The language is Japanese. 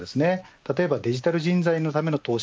例えばデジタル人材のための投資